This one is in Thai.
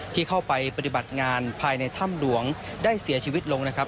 ที่เข้าไปปฏิบัติงานภายในถ้ำหลวงได้เสียชีวิตลงนะครับ